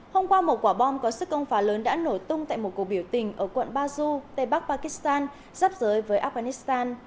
hôm qua một quả bom có sức công phá lớn đã nổ tung tại một cuộc biểu tình ở quận baju tây bắc pakistan giáp giới với afghanistan